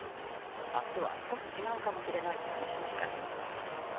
明日は少し違うかもしれないと話しました。